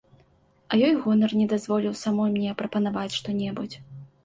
А ёй гонар не дазволіў самой мне прапанаваць што небудзь.